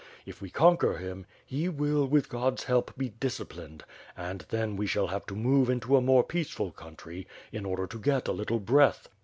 If we conquer him, he will, with God's help be disciplined; and then we shall have to move into a more peaceful country, in order to get a little breath.